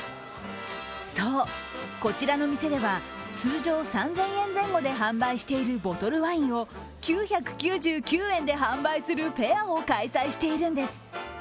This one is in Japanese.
そう、こちらの店では通常３０００円前後で販売しているボトルワインを９９９円で販売するフェアを開催しているんです。